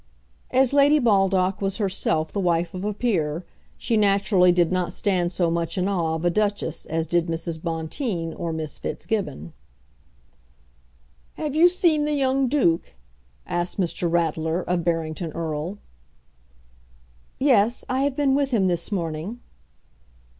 As Lady Baldock was herself the wife of a peer, she naturally did not stand so much in awe of a duchess as did Mrs. Bonteen, or Miss Fitzgibbon. "Have you seen the young Duke?" asked Mr. Ratler of Barrington Erle. "Yes; I have been with him this morning."